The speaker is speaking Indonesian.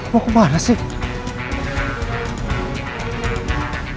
mau kemana sih